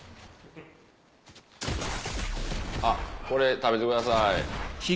あっこれ食べてください。